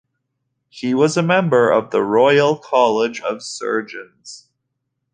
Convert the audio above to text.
He was a member of the Royal College of Surgeons.